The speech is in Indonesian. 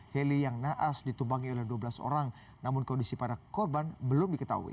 heli yang naas ditubangi oleh dua belas orang namun kondisi para korban belum diketahui